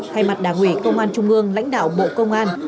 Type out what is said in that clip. thay mặt đảng ủy công an trung ương lãnh đạo bộ công an